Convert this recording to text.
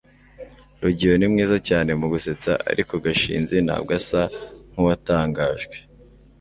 rugeyo ni mwiza cyane mu gusetsa, ariko gashinzi ntabwo asa nkuwatangajwe